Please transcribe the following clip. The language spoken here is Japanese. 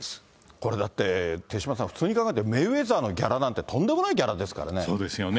これだって、手嶋さん、普通に考えてメイウェザーのギャラなんてとんでもないギャラですそうですよね。